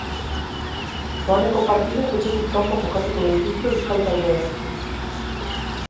Joaneko partidak etxetik kanpo jokatuko dituzte euskal taldeek.